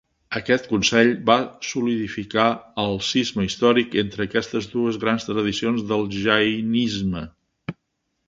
Aquest consell va solidificar el cisma històric entre aquestes dues grans tradicions del jainisme.